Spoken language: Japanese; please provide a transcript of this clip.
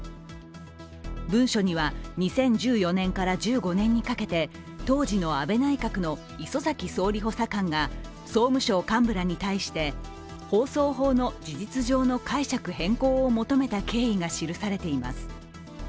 文書には、２０１４年から１５年にかけて当時の安倍内閣の礒崎総理補佐官が総務省幹部らに対して、放送法の事実上の解釈変更を求めた経緯が記されています。